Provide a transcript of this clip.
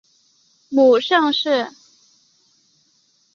母盛氏。